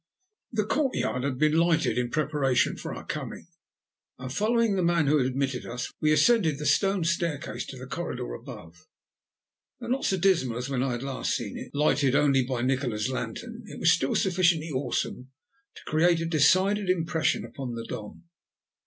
The courtyard had been lighted in preparation for our coming, and, following the man who had admitted us, we ascended the stone staircase to the corridor above. Though not so dismal as when I had last seen it, lighted only by Nikola's lantern, it was still sufficiently awesome to create a decided impression upon the Don.